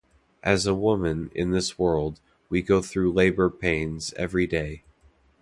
As a woman, in this world, we go through labor pains everyday.